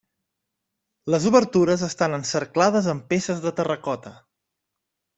Les obertures estan encerclades amb peces de terracota.